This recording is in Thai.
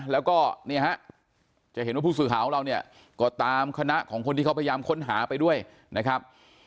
แล้วก็เนี่ยฮะจะเห็นว่าผู้สื่อข่าวของเราเนี่ยก็ตามคณะของคนที่เขาพยายามค้นหาไปด้วยนะครับ